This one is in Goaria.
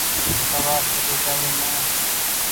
سوآر چلو جآيو مينٚ